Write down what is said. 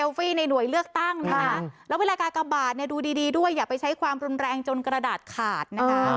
ในหน่วยเลือกตั้งนะคะแล้วเวลากากบาทเนี่ยดูดีด้วยอย่าไปใช้ความรุนแรงจนกระดาษขาดนะคะ